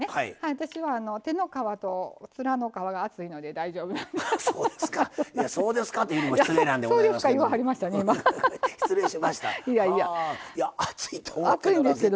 私は、手の皮と面の皮が厚いので大丈夫なんですけど。